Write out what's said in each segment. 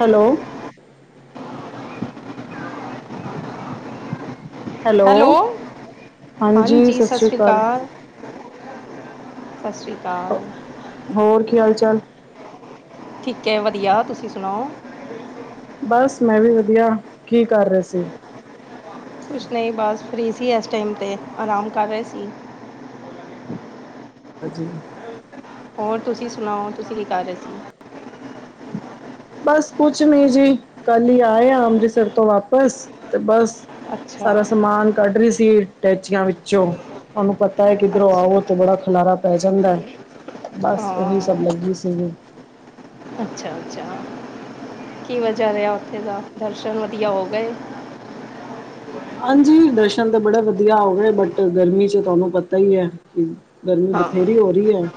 Hello hello, ਹਾਂਜੀ ਸਤਿ ਸ਼੍ਰੀ ਅਕਾਲ। ਸਤਿ ਸ੍ਰੀ ਅਕਾਲ। ਹੋਰ ਕੀ ਹਾਲ ਚਾਲ। ਠੀਕ ਹੈ ਵਧੀਆ, ਤੁਸੀਂ ਸੁਣਾਓ? ਬਸ ਮੈਂ ਵੀ ਵਧੀਆ‌ ਕੀ ਕਰ ਰਹੇ ਸੀ? ਕੁਛ ਨਹੀਂ ਬਸ ਫਰੀ ਸੀ। ਇਸ ਟਾਈਮ 'ਤੇ ਆਰਾਮ ਕਰ ਰਹੇ ਸੀ। ਹੋਰ ਜੀ। ਹੋਰ ਤੁਸੀਂ ਸੁਣਾਓ। ਤੁਸੀਂ ਕੀ ਕਰ ਰਹੇ ਸੀ? ਬਸ ਕੁਛ ਨੀ ਜੀ। ਕੱਲ ਹੀ ਆਏ ਆ ਅੰਮ੍ਰਿਤਸਰ ਤੋਂ ਵਾਪਸ ਤੇ ਬਸ ਅੱਛਾ ਸਾਰਾ ਸਮਾਨ ਕੱਢ ਰਹੀ ਸੀ ਟੈਚੀਆਂ ਵਿੱਚੋਂ। ਤੁਾਨੂੰ ਪਤਾ ਹੈ ਕਿੱਧਰੋਂ ਅੱਛਾ ਆਓ ਤੇ ਬੜਾ ਖਿਲਾਰਾ ਪੈ ਜਾਂਦਾ ਐ। ਬਸ ਉਹੀ ਸਭ ਹਾਂ ਲੱਗੀ ਸੀਗੀ। ਅੱਛਾ ਅੱਛਾ। ਕੀਵੇ ਜਾ ਰਿਹਾ ਉੱਥੇ ਦਾ, ਦਰਸ਼ਨ ਵਧੀਆ ਹੋ ਗਏ? ਹਾਂਜੀ ਦਰਸ਼ਨ ਤਾਂ ਬੜੇ ਵਧੀਆ ਹੋ ਗਏ। ਬਟ ਗਰਮੀ ਚ ਤੁਹਾਨੂੰ ਪਤਾ ਹੀ ਹੈ। ਹੂੰ, ਗਰਮੀ ਹਾਂ ਬਥੇਰੀ ਹੋ ਰਹੀ ਹੈ।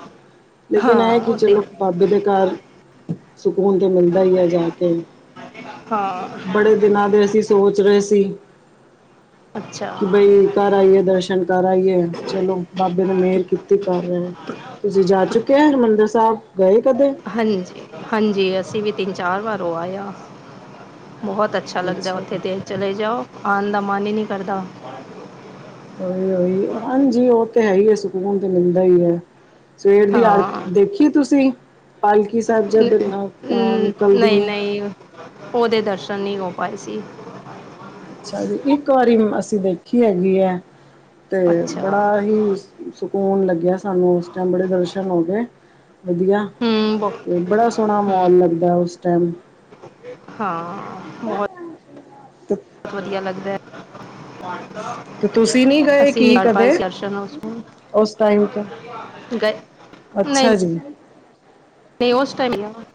ਲੇਕਿਨ ਇਹ ਹਾਂ ਕਿ ਉਹ ਤਾਂ ਚਲੋ ਹੈ ਬਾਬੇ ਦੇ ਘਰ, ਸਕੂਨ ਤੇ ਮਿਲਦਾ ਹੀ ਹੈ ਜਾ ਕੇ। ਹਾਂ ਬੜੇ ਦਿਨਾਂ ਦੇ ਅਸੀਂ ਸੋਚ ਰਹੇ ਸੀ। ਅੱਛਾ ਕਿ ਬਈ ਕਰ ਆਈਏ ਦਰਸ਼ਨ ਕਰ ਆਈਏ। ਚਲੋ ਬਾਬੇ ਨੇ ਮਿਹਰ ਕੀਤੀ ਕਰ ਆਏ। ਤੁਸੀਂ ਜਾ ਚੁੱਕੇ ਹੋ ਹਰਿਮੰਦਰ ਸਾਹਿਬ ਗਏ ਕਦੇ? ਹਾਂਜੀ ਹਾਂਜੀ। ਅਸੀਂ ਵੀ ਤਿੰਨ -ਚਾਰ ਵਾਰ ਹੋ ਆਏ ਆ, ਬਹੁਤ ਅੱਛਾ ਅੱਛਾ ਲੱਗਦਾ ਉੱਥੇ ਤੇ ਚਲੇ ਜਾਓ, ਆਣ ਦਾ ਮਨ ਹੀ ਨੀ ਕਰਦਾ। ਉਹੀ- ਉਹੀ ਹਾਂਜੀ ਉਹ ਤੇ ਹੈ ਹੀ ਹੈ। ਸਕੂਨ ਤੇ ਮਿਲਦਾ ਹੀ ਹੈ। ਸਵੇਰ ਦੀ ਐ ਹਾਂ ਦੇਖੀ ਤੁਸੀਂ? ਪਾਲਕੀ ਸਾਹਿਬ ਜਦੋ ਹਮ ਅ ਨਿਕਲਦੀ ਨਹੀਂ ਐ। ਨਹੀਂ ਉਹਦੇ ਦਰਸ਼ਨ ਨਹੀਂ ਹੋ ਪਾਏ ਸੀ। ਅੱਛਾ ਜੀ, ਇੱਕ ਵਾਰੀ ਅਸੀਂ ਦੇਖੀ ਹੈਗੀ ਐ, ਤੇ ਅੱਛਾ ਬੜਾ ਹੀ ਸ ਸਕੂਨ ਲੱਗਿਆ ਸਾਨੂੰ ਉਸ ਟਾਈਮ ਬੜੇ ਦਰਸ਼ਨ ਹੋ ਗਏ, ਵਧੀਆ। ਹਮ ਬ ਤੇ ਬੜਾ ਸੋਹਣਾ ਹਮ ਮਹੋਲ ਲੱਗਦਾ ਉਸ ਟਾਈਮ। ਹਾਂ ਬਹੁਤ [unintelligible] ਵਧੀਆ ਲੱਗਦਾ ਐ, ਹਾ ਤੇ ਤੁਸੀਂ ਨੀ ਗਏ ਕੀ ਕਦੇ, ਸੀ ਦਰਸ਼ਨ ਉਸ ਟਾਈਮ ਤੋਂ? ਗੇ ਅੱਛਾ ਜੀ। ਨੀ ਉਸ ਟਾਈਮ ਨੀਗਾ। ਹੂੰ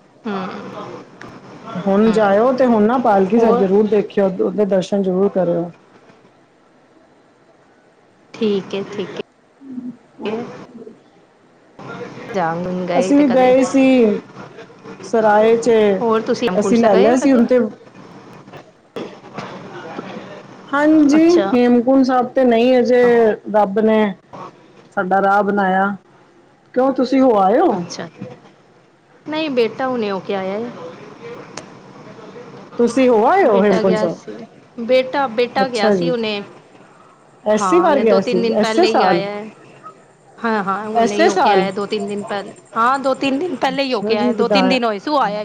ਹੁਣ ਜਾਇਓ ਤੇ ਹੁਣ ਨਾ ਪਾਲਕੀ ਸਾਹਿਬ ਹੋਰ ਜ਼ਰੂਰ ਦੇਖਿਓ, ਉਹਦੇ ਦਰਸ਼ਨ ਜ਼ਰੂਰ ਕਰਿਓ। ਠੀਕ ਹੈ- ਠੀਕ ਹੈ। [inaudible] ਧਿਆਨ-ਧੁਨ ਗਏ ਅਸੀਂ ਤੇ ਵੀ ਕਦੇ ਸੀ ਸਰਾਏ 'ਚ ਹੋਰ ਤੁਸੀਂ ਹੈਮਕੁੰਟ ਅਸੀਂ ਸਾਹਿਬ ਲੈ ਗੇ ਲਿਆ ਓ ਸੀ ਕਦੇ। ਹੁਣ ਤੇ ਹਾਂਜੀ। ਅੱਛਾ ਹੇਮਕੁੰਟ ਸਾਹਿਬ ਤੇ ਨਈ ਅਜੇ ਰੱਬ ਨੇ ਸਾਡਾ ਰਾਹ ਬਣਾਇਆ। ਕਿਉਂ ਤੁਸੀਂ ਹੋ ਆਏ ਓ? ਅੱਛਾ। ਨਈਂ ਬੇਟਾ ਹੁਨੇ ਹੋਕੇ ਆਇਆ ਐ। ਤੁਸੀਂ ਹੋ ਆਏ ਹੋ ਬੇਟਾ ਹੇਮਕੁੰਟ ਗਿਆ ਸਾਹਿਬ ਸੀ। ਬੇਟਾ-ਬੇਟਾ ਗਿਆ ਅੱਛਾ ਸੀ ਜੀ ਹੁਣੇ। ਐਸੀ ਹਾਂ। ਵਾਰ ਹੁਣੇ ਗਿਆ ਸੀ ਦੋ-ਤਿੰਨ ਦਿਨ ਐਸੇ ਪਹਿਲੇ ਈ ਸਾਲ ਆਇਆ ਐ। ਹਾਂ, ਹਾਂ। ਹੁਣੇ ਐਸੇ ਹੋਕੇ ਸਾਲ ਆਇਆ ਦੋ-ਤਿੰਨ ਦਿਨ ਪਹਿਲੇ, ਹਾਂ। ਦੋ-ਤਿੰਨ ਦਿਨ ਪਹਿਲੇ ਹੀ ਹੋ ਅੱਛਾ ਕੇ ਜੀ ਆਇਆ। ਦੋ-ਤਿੰਨ ਵਧਾਇਆ ਦਿਨ ਹੋਏ ਸ ਸੂ ਆਇਆ।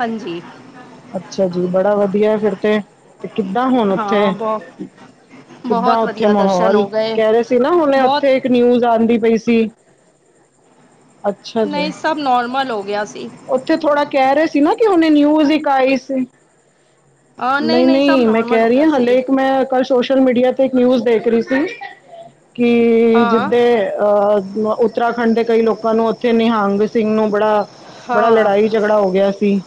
ਹਾਂਜੀ। ਅੱਛਾ ਜੀ, ਬੜਾ ਵਧੀਆ ਫਿਰ ਤੇ ਤੇ ਕਿੱਦਾਂ ਹੁਣ ਉੱਥੇ? ਹਾਂ ਬਹੁ ਕਿੱਦਾਂ ਬਹੁਤ ਉੱਥੇ ਵਧੀਆ ਦਰਸ਼ਨ ਮਾਹੌਲ? ਹੋ ਗਏ ਕਹਿ ਰਹੇ ਸੀ ਨਾ ਹੁਣੇ ਬਹੁਤ ਉੱਥੇ ਇੱਕ ਨਿਊਜ਼ ਆਂਦੀ ਪਈ ਸੀ। ਅੱਛਾ ਜੀ ਨਈਂ ਸਭ ਨੋਰਮਲ ਹੋ ਗਿਆ ਸੀ। ਉੱਥੇ ਥੋੜਾ ਕਹਿ ਰਹੇ ਸੀ ਨਾ ਕਿ ਹੁਨੇ ਨਿਊਜ਼ ਇਕ ਆਈ ਸੀ। ਹਾਂ ਨਹੀਂ ਨਈਂ ਨਹੀਂ ਸਭ ਨਈਂ, ਮੈਂ ਨੋਰਮਲ ਕਹਿ ਹੋ ਰਹੀ ਗਿਆ ਆਂ, ਹਾਲੇ ਸੀ ਇੱਕ ਮੈਂ ਕੱਲ ਸੋਸ਼ਲ ਮੀਡੀਆ ਤੇ ਇੱਕ ਨਿਊਜ਼ ਦੇਖ ਰਹੀ ਸੀ ਕਿ ਹਾਂ ਜਿੱਦੇ ਅਹ ਉਤ ਉੱਤਰਾਖੰਡ ਦੇ ਕਈ ਲੋਕਾਂ ਨੂੰ ਉੱਥੇ ਨਿਹੰਗ ਸਿੰਘ ਨੂੰ ਬੜਾ, ਬੜਾ ਹਾਂ ਲੜਾਈ ਝਗੜਾ ਹੋ ਗਿਆ ਸੀ।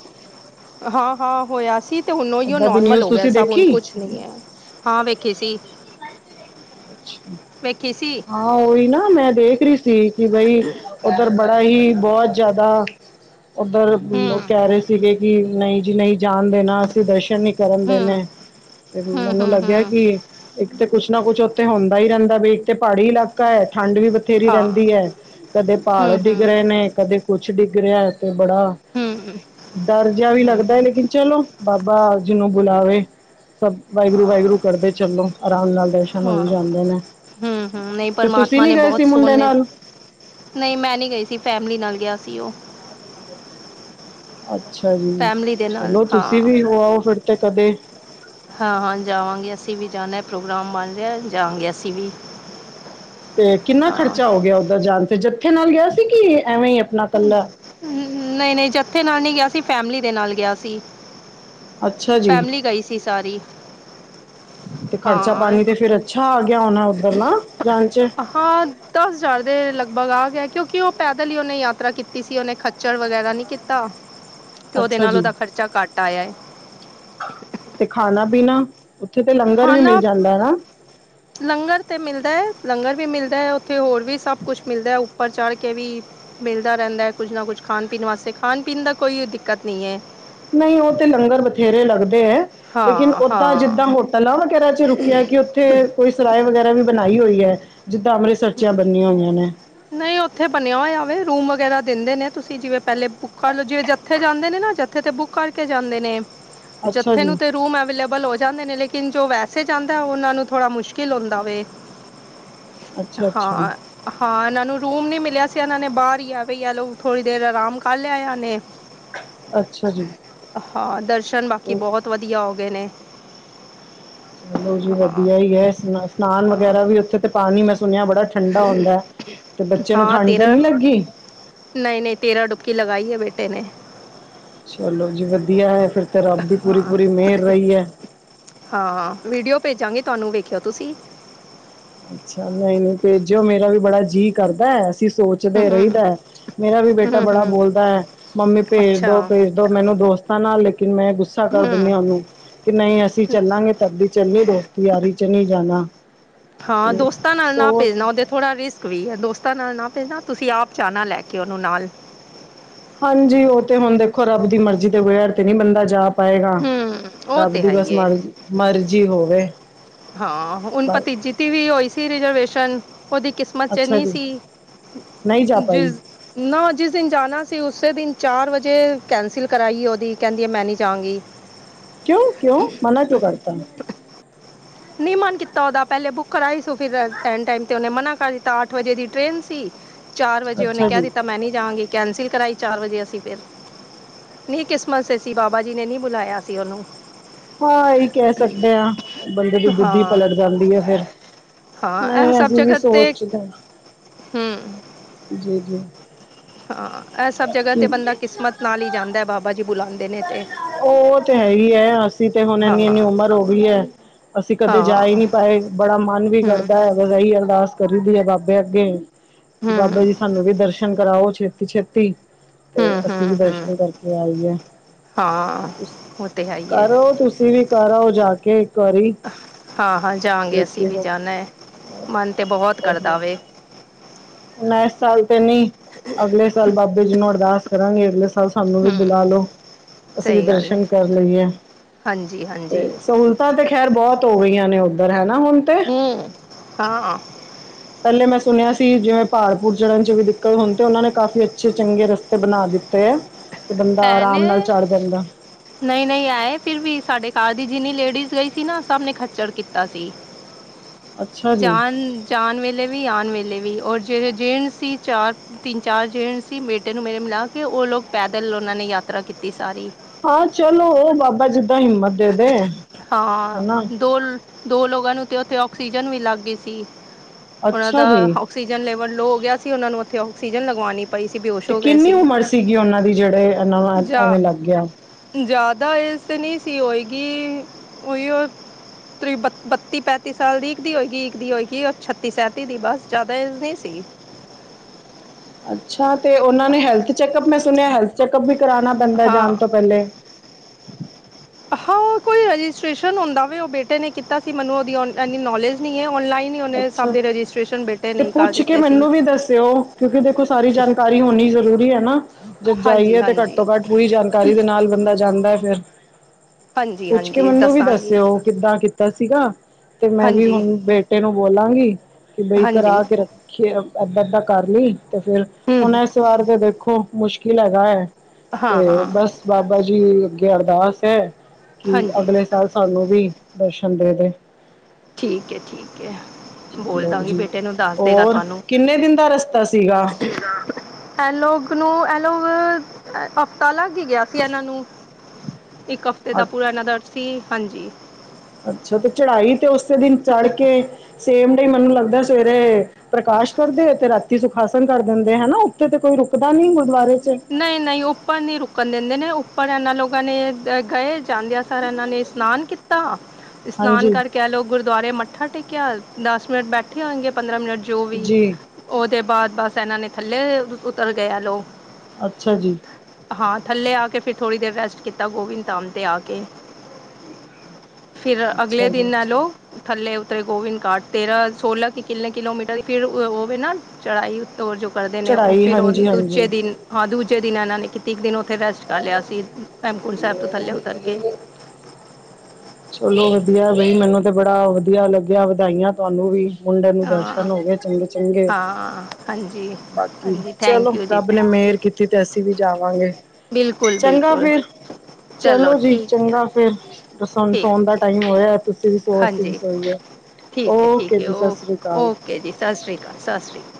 ਹਾਂ, ਹਾਂ ਹੋਇਆ ਸੀ। ਤੇ ਹੁਣ ਓਈਓ ਇੱਦਾਂ ਦੀ ਨੋਰਮਲ ਨਿਊਜ਼ ਹੋ ਗਿਆ, ਤੁਸੀਂ ਸਭ ਹੁਣ ਦੇਖੀ ਕੁਛ ਨਈਂ ਏ, ਹਾਂ ਵੇਖੀ ਸੀ। ਅੱਛਾ ਵੇਖੀ ਸੀ। ਹਾਂ, ਉਹੀ ਨਾ ਮੈਂ ਦੇਖ ਰਹੀ ਸੀ ਕਿ ਬਈ ਉੱਧਰ ਬੜਾ ਹੀ, ਬੋਤ ਜ਼ਿਆਦਾ ਉੱਧਰ ਮਂ ਹਮ ਕਹਿ ਰਹੇ ਸੀਗੇ ਵੀ ਨਈਂ ਜੀ ਨਈਂ ਜਾਣ ਦੇਣਾ, ਅਸੀਂ ਦਰਸ਼ਨ ਨੀ ਕਰਨ ਹਮ ਦੇਣੇ। ਤੇ ਹਮ ਮੈਨੂੰ ਹਮ ਲੱਗਿਆ ਹਮ ਕਿ ਇੱਕ ਤੇ ਕੁਛ ਨਾ ਕੁੱਛ ਉੱਥੇ ਹੁੰਦਾ ਈ ਰਹਿੰਦਾ ਬੀ ਇੱਕ ਤੇ ਪਹਾੜੀ ਇਲਾਕਾ ਕੈ, ਠੰਡ ਵੀ ਬਥੇਰੀ ਹਾਂ ਰਹਿੰਦੀ ਐ, ਕਦੇ ਪਹਾੜ ਹਮ ਡਿੱਗ ਹਮ ਰਹੇ ਨੇ, ਕਦੇ ਕੁਛ ਡਿੱਗ ਰਿਹਾ ਐ, ਤੇ ਬੜਾ ਹਂ, ਹਂ ਦਰ ਜਿਆ ਵੀ ਲੱਗਦਾ ਲੇਕਿਨ ਚਲੋ, ਬਾਬਾ ਜਿਨੂੰ ਬੁਲਾਵੇ। ਸਭ ਵਾਹਿਗੁਰੂ, ਵਾਹਿਗੁਰੂ ਕਰਦੇ ਚਲੋ, ਆਰਾਮ ਨਾਲ ਦਰਸ਼ਨ ਹੋ ਈ ਜਾਂਦੇ ਨੇ। ਨਈਂ ਤੇ ਤੁਸੀਂ ਪਰਮਾਤਮਾ ਨੀ ਨੇ ਗਏ ਬਹੁਤ ਸੀ ਮੁੰਡੇ ਸੋਹਣੇ, ਨਾਲ ਨਈਂ ਮੈਂ ਨ੍ਹੀਂ ਗਈ ਸੀ ਫੈਮਲੀ ਨਾਲ ਗਿਆ ਸੀ ਉਹ ਅੱਛਾ ਜੀ, ਫੈਮਿਲੀ ਦੇ ਨਾਲ ਚਲੋ ਤੁਸੀਂ ਹਾਂ ਵੀ ਹੋ ਆਓ ਫਿਰ ਤੇ ਕਦੇ ਹਾਂ ਹਾਂ, ਜਾਵਾਂਗੇ ਅਸੀਂ ਵੀ ਜਾਂਣਾ ਪ੍ਰੋਗਰਾਮ ਬਣ ਰਿਹਾ ਜਾਵਾਂਗੇ ਅਸੀਂ ਵੀ। ਤੇ, ਕਿੰਨਾ ਹਾਂ ਖ਼ਰਚਾ ਹੋ ਗਿਆ ਓਦਰ ਜਾਣ ਤੇ, ਜੱਥੇ ਨਾਲ ਗਿਆ ਸੀ ਕਿ ਐਵੇਂ ਈ ਆਪਣਾ ਕੱਲਾ ਨਈਂ ਨਈਂ ਜੱਥੇ ਨਾਲ ਨਈ ਗਿਆ ਸੀ, ਫੈਮਲੀ ਦੇ ਨਾਲ ਗਿਆ ਸੀ। ਅੱਛਾ ਜੀ, ਫੈਮਿਲੀ ਗਈ ਸੀ ਸਾਰੀ ਤੇ ਖ਼ਰਚਾ ਹਾਂ ਪਾਣੀ ਤੇ ਫਿਰ ਛਾ ਆ ਗਿਆ ਹੋਣਾ ਉੱਧਰ ਨਾ ਜਾਣ ਚ। ਹਾਂ, ਦਸ ਹਜ਼ਾਰ ਦੇ ਲਗਭਗ ਆ ਗਿਆ ਕਿਉਂਕਿ ਉਹ ਪੈਦਲ ਈ ਉਹਨੇ ਯਾਤਰਾ ਕੀਤੀ ਸੀ ਉਹਨੇ ਖਚ ਚੜ, ਵਗੈਰਾ ਨਈਂ ਕੀਤਾ। [inaudible] ਤੇ ਉਹਦੇ ਨਾਲ ਜੀ ਉਹਦਾ ਖਰਚਾ ਘੱਟ ਆਇਆ ਐ। ਤੇ ਖਾਣਾ-ਪੀਣਾ, ਉੱਥੇ ਤੇ ਲੰਗਰ ਵੀ ਮਿਲ ਖਾਣਾ ਜਾਂਦਾ ਐਨਾ। ਲੰਗਰ ਤੇ ਮਿਲਦਾ ਐ, ਲੰਗਰ ਵੀ ਮਿਲਦਾ ਐ, ਉੱਥੇ ਹੋਰ ਵੀ ਸਭ ਕੁਛ ਮਿਲਦਾ ਉਪ ਉੱਪਰ ਚੜ੍ਹ ਕੇ ਵੀ ਮਿਲਦਾ ਰਹਿੰਦਾ ਐ, ਕੁਝ ਨਾ ਕੁਝ ਖਾਣ-ਪੀਣ ਵਾਸਤੇ, ਖਾਣ-ਪੀਣ ਦਾ ਕੋਈ ਦਿੱਕਤ ਨਈ ਐ। ਨਈਂ, ਉਹ ਤੇ ਲੰਗਰ ਬਥੇਰੇ ਲੱਗਦੇ ਐ। ਲੇਕਿਨ ਹਾਂ ਉਦਾਂ ਹਾਂ ਜਿੱਦਾਂ ਹੋਟਲਾਂ, ਵਗੈਰਾ ਚ ਰੁਕਿਆ ਕਿ ਤੇ ਕੋਈ ਸਰਾਏ ਵਗੈਰਾ ਵੀ ਬਣਾਈ ਹੋਈ ਹੈ, ਜਿੱਦਾਂ ਅੰਮ੍ਰਿਤਸਰਚੀਆਂ ਬੰਨੀਆਂ ਹੋਈਆਂ ਨੇ। ਨਹੀਂ, ਉੱਥੇ ਬਣਿਆ ਹੋਇਆ ਵੇ, ਰੂਮ ਵਗੈਰਾ ਦਿੰਦੇ ਨੇ ਤੁਸੀਂ ਜਿਵੇਂ ਪਹਿਲੇ ਤੇ ਕੱਲ ਜਿਵੇ ਜੱਥੇ ਜਾਂਦੇ ਨੇ ਨਾ, ਜੱਥੇ ਤੇ ਬੁੱਕ ਕਰਕੇ ਜਾਂਦੇ ਨੇ। ਅੱਛਾ ਜੱਥੇ ਜੀ ਨੂੰ ਤੇ ਰੂਮ ਅਵੇਲੇਬਲ ਹੋ ਜਾਂਦੇ ਨੇ, ਲੇਕਿਨ ਜੋ ਵੈਸੇ ਜਾਂਦਾ ਉਹਨਾ ਨੂੰ ਥੋੜਾ ਮੁਸ਼ਕਿਲ ਹੁੰਦਾ ਵੇ। ਅੱਛਾ ਅੱਛਾ ਹਾਂ ਹਾਂ, ਇਹਨਾਂ ਨੂੰ ਰੂਮ ਨੀ ਮਿਲਿਆ ਸੀ। ਇਹਨਾਂ ਨੇ ਬਾਹਰ ਹੀ ਆ ਵੀ ਯ [unintelligible] ਥੋੜੀ ਦੇਰ ਆਰਾਮ ਕਰ ਲਿਆ ਯਾ ਨੇ। ਅੱਛਾ ਜੀ। ਹਾਂ, ਦਰਸ਼ਨ ਬਾਕੀ ਤੇ ਬਹੁਤ ਵਧੀਆ ਹੋ ਗਏ ਨੇ। ਚਲੋ ਜੀ ਹਾਂ ਵਧੀਆ ਹੀ ਹੈ, ਸ-ਸਨਾਨ ਹਾਂ ਵਗੈਰਾ ਵੀ ਉੱਥੇ ਤੇ ਪਾਣੀ ਮੈਂ ਸੁਣਿਆ ਬੜਾ ਠੰਡਾ ਹੁੰਦਾ ਹੈ, ਤੇ ਬੱਚੇ ਨੂੰ ਹਾਂ ਠੰਢ ਤੇ ਤੇਰਾ ਨਹੀਂ ਲੱਗੀ। ਨਹੀਂ- ਨਹੀਂ, ਤੇਰਾ ਡੁਬਕੀ ਲਗਾਈ ਹੈ, ਬੇਟੇ ਨੇ। ਚਲੋ ਜੀ ਵਧੀਆ ਹੈ, ਫੇਰ ਤੇ ਰੱਬ ਦੀ ਪੂਰੀ- ਹਾਂ ਪੂਰੀ ਮਿਹਰ ਰਹੀ ਹੈ। ਹਾਂ, ਵੀਡੀਓ ਭੇਜਾਂਗੀ ਤੁਹਾਨੂੰ ਵੇਖਿਓ ਤੁਸੀਂ। ਅੱਛਾ, ਨਹੀਂ- ਨਹੀਂ ਭੇਜਿਓ ਮੇਰਾ ਵੀ ਬੜਾ ਜੀਅ ਕਰਦਾ, ਅਸੀਂ ਸੋਚਦੇ ਹਮ ਰਹਿਦਾ। ਮੇਰਾ ਵੀ ਬੇਟਾ ਹਮ ਬੜਾ ਹਮ ਬੋਲਦਾ ਹੈ। ਮੰਮੀ ਭੇਜ ਅੱਛਾ ਦੋ- ਭੇਜ ਦੋ ਮੈਨੂੰ ਦੋਸਤਾਂ ਨਾਲ ਲੇਕਿਨ, ਮੈਂ ਗੁੱਸਾ ਕਰ ਹਮ ਦਿੰਦੀ ਉਹਨੂੰ। ਕਿ ਨਹੀਂ, ਅਸੀਂ ਚੱਲਾਂਗੇ ਤਦੀ ਚੱਲਣੀ ਦੋਸਤੀ- ਯਾਰੀ ਚ ਨਹੀਂ ਜਾਣਾ। ਹਾਂ, ਤੇ ਦੋਸਤਾਂ ਨਾਲ ਨਾ ਸੋਚ ਭੇਜਣਾ ਉਹਦੇ ਥੋੜਾ ਰਿਸਕ ਵੀ ਹੈ ਦੋਸਤਾਂ ਨਾਲ ਨਾ ਭੇਜਣਾ ਤੁਸੀਂ ਆਪ ਜਾਣਾ ਲੈ ਕੇ ਉਹਨੂੰ ਨਾਲ। ਹਾਂਜੀ ਉਹ ਤੇ ਹੁਣ ਦੇਖੋ ਰੱਬ ਦੀ ਮਰਜ਼ੀ ਤੇ ਵਗੈਰ ਤੇ ਨੀ ਬੰਦਾ ਜਾ ਪਏਗਾ ਹਮ ਉਹ ਰੱਬ ਤੇ ਦੀ ਹੈ ਬਸ ਹੀ ਹੈ ਮਰਜ਼ ਮਰਜ਼ੀ ਹੋਵੇ। ਹਾਂ ਹੁਣ ਬਸ ਭਤੀਜੀ ਦੀ ਵੀ ਹੋਈ ਸੀ ਰਿਜਰਵੇਸ਼ਨ ਉਹਦੀ ਕਿਸ ਮਚ ਅੱਛਾ ਨੀ ਜੀ। ਸੀ, ਨਹੀਂ ਜਾ ਪਾਈ ਜਿਸ ਨਾ ਜਿਸ ਦਿਨ ਜਾਣਾ ਸੀ, ਉਸੇ ਦਿਨ ਚਾਰ ਵਜੇ ਕੈਂਸਿਲ ਕਰਾਈ ਉਹਦੀ, ਕਹਿੰਦੀ ਹੈ ਮੈਂ ਨਹੀਂ ਜਾਂਗੀ। ਕਿਉਂ- ਕਿਉਂ ਮਨਾ ਕਿਉਂ ਕਰਤਾ? ਨਹੀਂ ਮਨ ਕੀਤਾ ਉਹਦਾ, ਪਹਿਲੇ ਬੁੱਕ ਕਰਾਇ ਸੁ ਫੇਰ ਐੱਨ ਟੈਮ ਤੇ ਉਹਨੇ ਮਨਾ ਕਰ ਦਿੱਤਾ ਅੱਠ ਵਜੇ ਦੀ ਟ੍ਰੇਨ ਸੀ। ਚਾਰ ਵਜੇ ਉਹਨੇ ਅੱਛਾ ਕਿਹ ਜੀ। ਦਿੱਤਾ ਮੈਂ ਨਹੀ ਜਾਵਾਂਗੀ ਕੈਂਸਲ ਕਰਾਈ। ਚਾਰ ਵਜੇ ਅਸੀ ਫੇਰ, ਨਿ ਕਿਸਮਤ ਤੇ ਸੀ ਬਾਬਾ ਜੀ ਨੇ ਨਹੀ ਬੁਲਾਇਆ ਸੀ ਉਹਨੂੰ। ਹਾਂ ਇਹੀ ਕਹਿ ਸਕਦੇ ਹਾਂ। ਬੰਦੇ ਦੀ ਬੁੱਧੀ ਹਾਂ ਪਲਟ ਜਾਂਦੀ ਹੈ ਫੇਰ, ਹਾਂ ਇਹ ਨਹੀਂ ਸਭ ਅਸੀਂ ਵੀ ਜਗ੍ਹਾ ਤੇ ਸੋਚਦੇ ਹੂੰ ਜੀ-ਜੀ। ਹਾਂ ਇਹ ਸਭ ਜਗਾ ਤੇ ਬੰਦਾ ਕਿਸਮਤ ਨਾਲ ਹੀ ਜਾਂਦਾ ਬਾਬਾ ਜੀ ਬੁਲਾਉਦੇ। ਉਹ ਤੇ ਹੈ ਹੀ ਹੈ ਅਸੀਂ ਤੇ ਹੁਣ ਹਾਂ ਇਨੀ- ਇੰਨੀ ਉਮਰ ਹੋ ਗਈ ਹੈ। ਅਸੀਂ ਕਦੇ ਹਾਂ ਜਾ ਹੀ ਨਹੀ ਪਾਏ ਬੜਾ ਮਨ ਵੀ ਹੂੰ ਕਰਦਾ ਹੈ। ਹੂੰ ਬਸ ਏਹੀ ਅਰਦਾਸ ਕਰੀ ਦੀ ਹੈ ਬਾਬੇ ਅੱਗੇ ਕਿ ਬਾਬਾ ਜੀ ਸਾਨੂੰ ਵੀ ਦਰਸ਼ਨ ਸ਼ਨ ਕਰਾਓ ਛੇਤੀ- ਛੇਤੀ ਤੇ ਹੂੰ ਅਸੀਂ ਵੀ ਹੂੰ ਹੂੰ ਦਰਸ਼ਨ ਕਰਕੇ ਆਈਏ। ਹਾਂ। ਉਹ ਤੇ ਹੈ ਹੀ ਹੈ ਕਰੋ ਤੁਸੀਂ ਵੀ ਕਰ ਆਓ ਜਾ ਕੇ ਇੱਕ ਵਾਰੀ। ਹਾਂ- ਹਾਂ ਜਾਂਵਾਗੇ ਅਸੀਂ ਕਿਉਂਕਿ ਵੀ ਹੁਣ ਜਾਨਾ ਹੈ ਮਨ ਤਾਂ ਬਹੁਤ ਕਰਦਾ ਵੇ। ਮੈਂ ਇਸ ਸਾਲ ਤੇ ਨਹੀ ਅਗਲੇ ਸਾਲ ਬਾਬੇ ਜੀ ਨੂੰ ਅਰਦਾਸ ਕਰਾਂਗੀ ਅਗਲੇ ਸਾਲ ਸਾਨੂੰ ਵੀ ਹੂੰ ਬੁਲਾ ਲੋ। ਅਸੀਂ ਵੀ ਸਹੀ ਗੱਲ ਹੈ ਦਰਸ਼ਨ ਕਰ ਲਈਏ ਹਾਂਜੀ ਹਾਂਜੀ ਤੇ ਸਹੂ ਲਤਾ ਤੇ ਖੈਰ ਬਹੁਤ ਹੋ ਗਈਆਂ ਨੇ ਉੱਧਰ ਹੈਨਾ, ਹੁਣ। ਤੇ ਹਮ, ਹਾਂ। ਪਹਿਲੇ ਮੈਂ ਸੁਨੇਆ ਸੀ ਜੋਂ ਪਹਾੜਪੁਰ ਚੜਨ ਚ ਵੀ ਦਿੱਕਤ ਹੋਣ ਤੇ ਉਹਨਾਂ ਨੇ ਕਾਫੀ ਅੱਛੇ ਚੰਗੇ ਰਸਤੇ ਬਣਾ ਦਿੱਤੇ ਆ, ਤੇ ਬੰਦਾ ਐ ਅਰਾਮ ਨੇ ਨਾਲ ਚੜ ਜਾਂਦਾ। ਨਹੀਂ- ਨਹੀਂ ਆਏ ਫਿਰ ਵੀ ਸਾਡੇ ਕਾਰ ਦੀ ਜਿੰਨੀ ਲੇਡੀਜ਼ ਗਈ ਸੀ ਨਾ, ਸਭ ਨੇ ਖੱੱਚਰ ਕੀਤਾ ਸੀ। ਅੱਛਾ ਜੀ ਜਾਣ -ਜਾਣ ਵੇਲੇ ਵੀ, ਆਣ ਵੇਲੇ ਵੀ, ਔਰ ਜੇਹੜੇ ਜੇਂਟਸੀ ਚਾਰ ਤਿੰਨ ਚਾਰ ਜੇਂਟਸੀ ਬੇਟੇ ਨੂੰ ਮੇਰੇ ਮਿਲਾ ਕੇ, ਉਹ ਲੋਕ ਪੈਦਲ ਉਹਨਾਂ ਨੇ ਯਾਤਰਾ ਕੀਤੀ ਸਾਰੀ। ਹਾਂ ਚਲੋ ਉਹ ਬਾਬਾ ਜਿੱਦਾਂ ਹਿੰਮਤ ਦੇ- ਦੇ, ਹਾਂ ਹਨਾ। ਦੋ ਦੋ ਲੋਗਾਂ ਨੂੰ ਤੇ ਉੱਥੇ ਔਕਸੀਜਨ ਵੀ ਲੱਗ ਗਈ ਸੀ, ਉਹਨਾਂ ਅੱਛਾ ਦਾ ਔ ਜੀ ਔਕਸੀਜਨ ਲੈਵਲ ਲੋ ਹੋ ਗਿਆ ਸੀ, ਉਹਨਾਂ ਨੂੰ ਉੱਥੇ ਔਕਸੀਜਨ ਲਗਵਾਉਣੀ ਪਈ ਸੀ ਬੇਹੋਸ਼ ਤੇ ਹੋ ਗਏ ਕਿੰਨੀ ਸੀ ਉਮਰ ਸੀਗੀ ਉਨਾਂ ਦੀ ਜਿਹੜੇ ਇਨਾਂ ਨਾਲ ਐਵੇਂ ਲੱਗ ਗਿਆ? ਜਾਦਾ ਏਜ਼ ਤੇ ਨਹੀਂ ਸੀ ਹੋਏਗੀ ਉਹੀ ਓ ਤ੍- ਬਤੀ- ਬੱਤੀ -ਪੈਂਤੀ ਸਾਲ ਦੀ ਇੱਕ ਦੀ ਹੋਏਗੀ, ਇੱਕ ਦੀ ਹੋਏਗੀ, ਉਹ ਛੱਤੀ -ਸੈਂਤੀ ਦੀ ਬਸ ਜਾਦਾ ਏਜ ਨਹੀ ਸਿਗੀ। ਅੱਛਾ ਤੇ ਉਹਨਾਂ ਨੇ ਹੈਲਥ ਚੈੱਕਅਪ, ਮੈਂ ਸੁਣਿਆ ਹੈਲਥ ਚੈੱਕਅਪ ਵੀ ਕਰਾਨਾ ਪੈਂਦਾ ਜਾਣ ਹਾਂ ਤੋਂ ਪਹਿਲੇ। ਹਾਂ ਉਹ ਕੋਈ ਰੈਜਿਸਟ੍ਰੇਸ਼ਨ ਹੁੰਦਾ ਵੇ, ਉਹ ਬੇਟੇ ਨੇ ਕੀਤਾ ਸੀ ਮੈਨੂੰ ਉਹਦੀ ਹੋਣ ਏਨੀ ਨੌਲੇਜ਼ ਨੀ ਐ, ਔਨਲਾਈਨ ਹੀ ਉਹਨੇ ਸਭ ਅੱਛਾ ਦੇ ਰੈਜਿਸਟ੍ਰੇਸ਼ਨ ਬੇਟੇ ਤੇ ਨੇ ਹੀਂ ਕਰ ਪੁੱਛ ਕੇ ਦਿੱਤੇ ਸੀ ਮੈਨੂੰ ਵੀ ਦੱਸਿਓ ਕਿਉਕਿ ਦੇਖੋ ਸਾਰੀ ਜਾਣਕਾਰੀ ਹੋਣੀ ਜ਼ਰੂਰੀ ਹੈ ਨਾ, ਜਦ ਹਾਂਜੀ ਜਾਈਏ ਤੇ ਘੱਟ ਹਾਂਜੀ ਤੋ ਘੱਟ ਪੂਰੀ ਜਾਣਕਾਰੀ ਦੇ ਨਾਲ ਬੰਦਾ ਜਾਂਦਾ ਐ ਫਿਰ ਹਾਂਜੀ ਪੁੱਛ ਕੇ ਹਾਂਜੀ ਮੈਨੂੰ ਵੀ ਦੱਸਾਂਗੀ ਦੱਸਿਓ ਕਿੱਦਾਂ ਕੀਤਾ ਸੀਗਾ ਤੇ ਮੈਂ ਵੀ ਹਾਂਜੀ ਹੁਨ ਬੇਟੇ ਨੂੰ ਬੋਲਾਂਗੀ, ਕਿ ਬਈ ਕਰਾ ਹਾਂਜੀ ਕੇ ਰੱਖ ਕਿ ਆਪ ਏਦਾਂ -ਏਦਾਂ ਕਰ ਲੀਂ, ਤੇ ਫੇਰ ਹੂੰ ਹੁਣ ਇਸ ਵਾਰ ਤੇ ਦੇਖੋ ਮੁਸ਼ਕਿਲ ਹੈਗਾ ਐ, ਹਾਂ ਤੇ ਹਾਂ ਬਸ ਬਾਬਾ ਜੀ ਅੱਗੇ ਅਰਦਾਸ ਹੈ, ਕਿ ਹਾਂਜੀ ਅਗਲੇ ਸਾਲ ਸ ਤੁਾਨੂੰ ਵੀ ਦਰਸ਼ਨ ਦੇ ਦੇ ਠੀਕ ਐ -ਠੀਕ ਐ, ਚਲੋ ਬੋਲਦਾ ਗੀ ਜੀ ਬੇਟੇ ਨੂੰ ਦੱਸ ਦੇਗਾ ਹੋਰ ਤੁਹਾਨੂੰ, ਕਿੰਨੇ ਦਿਨ ਦਾ ਰਸਤਾ ਸੀਗਾ ਇਹਲੋਗ ਨੂੰ ਇਹਲੋਗ ਹਫ਼ਤਾ ਲੱਗ ਹੀ ਗਿਆ ਸੀ ਇਹਨਾਂ ਨੂੰ, ਇੱਕ ਹਫ਼ਤੇ ਦਾ ਪੂਰਾ ਇਹਨਾ ਦਾ ਸੀ, ਹਾਂਜੀ। ਅੱਛਾ ਤੇ ਚੜ੍ਹਾਈ ਤੇ ਉਸੇ ਦਿਨ ਚੜ੍ਹ ਕੇ ਸੇਮ ਡੇਅ ਮੈਨੂੰ ਲੱਗਦਾ ਸਵੇਰੇ ਪ੍ਰਕਾਸ਼ ਕਰਦੇ, ਤੇ ਰਾਤੀ ਸੁਖਾਸਨ ਕਰ ਦਿੰਦੇ ਹਨਾ, ਉੱਥੇ ਤੇ ਕੋਈ ਰੁਕਦਾ ਨੀ ਗੁਰਦੁਆਰੇ ਚ, ਨਹੀਂ- ਨਹੀਂ ਉੱਪਰ ਨੀ ਰੁਕਣ ਦਿੰਦੇ ਨੇ, ਉੱਪਰ ਇਹਨਾਂ ਲੋਕਾਂ ਨੇ ਗਏ ਜਾਂਦੇ, ਉਪਹ ਇਹਨਾਂ ਨੇ ਇਸ਼ਨਾਨ ਕੀਤਾ-ਇਸ਼ਨਾਨ ਹਾਂਜੀ ਕਰਕੇ, ਕਹਿ ਲਓ ਗੁਰਦੁਆਰੇ ਮੱਥਾ ਟੇਕਿਆ, ਦਸ ਮਿੰਟ ਬੈਠੇ ਹੋਣਗੇ ਪੰਦਰਾਂ ਮਿੰਟ ਜੋ ਵੀ, ਜੀ ਉਹਦੇ ਬਾਅਦ ਬਸ ਇਹਨਾ ਨੇ ਥੱਲੇ ਉਤਰ ਗਏ ਏ ਲੋਗ, ਅੱਛਾ ਜੀ। ਹਾਂ ਥੱਲੇ ਆ ਕੇ ਫਿਰ ਥੋੜ੍ਹੀ ਦੇਰ ਰੈਸਟ ਕੀਤਾ ਗੋਬਿੰਦ ਧਾਮ ਤੇ ਆ ਕੇ। ਫਿਰ ਅਗਲੇ ਅੱਛਾ ਜੀ ਦਿਨ ਐ ਅੱਛਾ ਲੋਗ, ਥੱਲੇ ਉਤਰੇ ਗੋਵਿੰਦ ਘਾਟ ਤੇਰਾਂ ਸੋਲਾਂ ਕੇ ਕਿੰਨੇ ਕਿਲੋਮੀਟਰ ਫਿਰ ਉਹ ਵੇਨਾ ਚੜ੍ਹਾਈ ਓ ਜੋ ਕਰਦੇ ਨੇ, ਉਹ ਚੜ੍ਹਾਈ ਫਿਰ ਉਹ ਹਾਂਜੀ ਦੂਜੇ ਹਾਂਜੀ ਦਿਨ ਹਾਂ, ਦੂਜੇ ਦਿਨ ਇਹਨਾਂ ਨੇ ਕੀਤੀ ਇੱਕ ਦਿਨ ਉੱਥੇ ਰੇਸਟ। ਕਾਰ ਲਿਆ ਸੀ।, ਭੈਮਕੁੰਟ ਸਾਹਿਬ ਤੋਂ ਥੱਲੇ ਉਤਰ ਕੇ। ਚਲੋ ਵੱਧੀਆ ਬਈ, ਮੈਨੂੰ ਤੇ ਬੜਾ ਵੱਧੀਆ ਲੱਗਿਆ, ਵਧਾਈਆਂ ਤੁਹਾਨੂੰ ਵੀ। ਮੁੰਡੇ ਨੂੰ ਹਾਂ ਦਰਸ਼ਨ ਹੋ ਗਏ ਚੰਗੇ-ਚੰਗੇ, ਹਾਂ ਹਾਂਜੀ ਬਾਕੀ ਹਾਂਜੀ ਥੈਂਕ ਚਲੋ ਯੂ ਜੀ ਰੱਬ ਨੇ ਥੈਂਕ ਯੂ ਮੇਹਰ ਕੀਤੀ। ਕਿਤੇ ਅਸੀਂ ਵੀ ਜਾਵਾਂਗੇ। ਬਿਲਕੁਲ ਚੰਗਾ ਬਿਲਕੁਲ ਫਿਰ, ਚਲੋ ਜੀ ਠੀਕ ਹੈ ਚੰਗਾ ਫੇਰ, ਬਸ ਹੁਣ ਠੀਕ ਸੋਣ ਦਾ ਟਾਈਮ ਠੀਕ ਹੋਇਆ। ਤੁਸੀਂ ਵੀ ਸੋਵੋ, ਅਸੀਂ ਵੀ ਹਾਂਜੀ ਸੋਈਏ। ਠੀਕ ਹੈ ਓਕੇ ਠੀਕ ਹੈ ਜੀ, ਸਤਿ ਓ ਸ਼੍ਰੀ ਅਕਾਲ। ਓਕੇ ਜੀ। ਸਤਿ ਸ਼੍ਰੀ ਅਕਾਲ, ਸਤਿ ਸ਼੍ਰੀ ਅਕਾਲ।